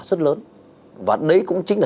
rất lớn và đấy cũng chính là